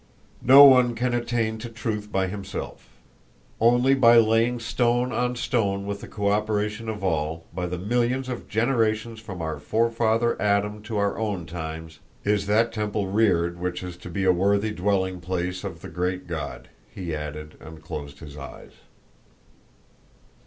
"No one can attain to truth by himself. Only by laying stone on stone with the cooperation of all, by the millions of generations from our forefather Adam to our own times, is that temple reared which is to be a worthy dwelling place of the Great God," he added, and closed his eyes.